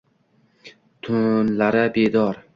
tunlari bedor